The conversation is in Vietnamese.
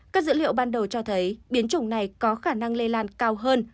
các dữ liệu ban đầu cho thấy biến chủng này có khả năng lây lan cao hơn